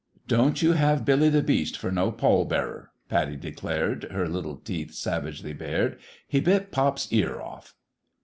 " Don't you have Billy the Beast for no pall bearer," Pattie declared, her little teeth savagely bared ;" he bit pop's ear off."